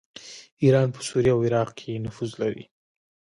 ایران په سوریه او عراق کې نفوذ لري.